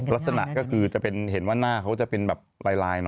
ลักษณะแค่คือเห็นว่าเธอลายหน่อยนั่ง